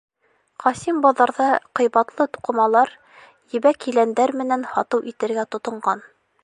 Ҡасим баҙарҙа ҡыйбатлы туҡымалар, ебәк еләндәр менән һатыу итергә тотонған.